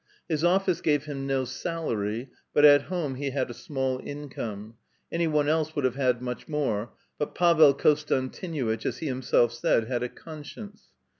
His office gave him no salary, but at home he had a small income ; any one else would have had much more, but Pavel Konstantinuitch, as he himself said, had a conscience.